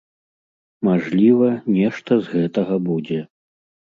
Мажліва, нешта з гэтага будзе.